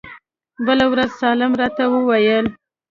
بله ورځ سالم راته وويل.